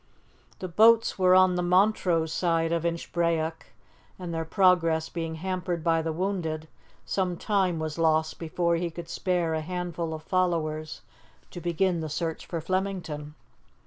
The boats were on the Montrose side of Inchbrayock, and, their progress being hampered by the wounded, some time was lost before he could spare a handful of followers to begin the search for Flemington.